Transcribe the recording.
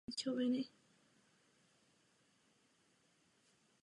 Narodila se v Praze na Královských Vinohradech jako mladší ze dvou dětí.